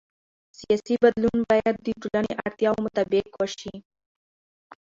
سیاسي بدلون باید د ټولنې اړتیاوو مطابق وشي